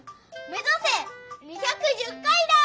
めざせ２１０回だ！